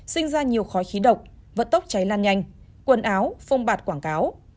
sinh ra nhiều khói khí độc vận tốc cháy lan nhanh quần áo phông bạt quảng cáo